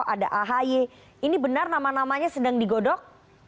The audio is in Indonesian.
ada ahy ini benar nama namanya sedang digodok